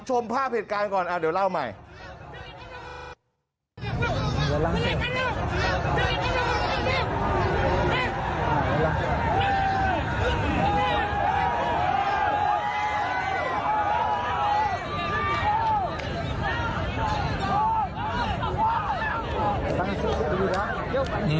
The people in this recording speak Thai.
ชมภาพเหตุการณ์ก่อนเดี๋ยวเล่าใหม่